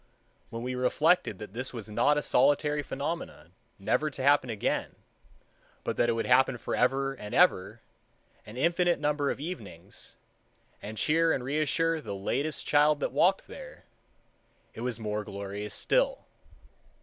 When we reflected that this was not a solitary phenomenon, never to happen again, but that it would happen forever and ever, an infinite number of evenings, and cheer and reassure the latest child that walked there, it was more glorious still.